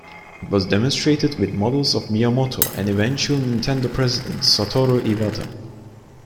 It was demonstrated with models of Miyamoto and eventual Nintendo president Satoru Iwata.